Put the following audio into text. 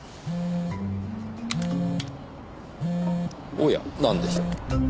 おやなんでしょう。